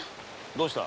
どうした？